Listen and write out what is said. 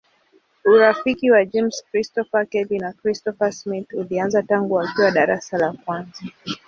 Urafiki wa James Christopher Kelly na Christopher Smith ulianza tangu wakiwa darasa la kwanza.